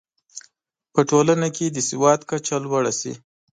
په ټولنه کې د سواد کچه لوړه شي.